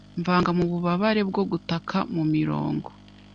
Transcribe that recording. Mvanga mububabare bwo gutaka mumirongo